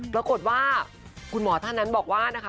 ปรากฏว่าคุณหมอท่านนั้นบอกว่านะคะ